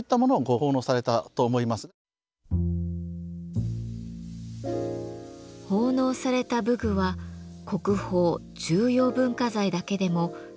奉納された武具は国宝・重要文化財だけでも１６９点。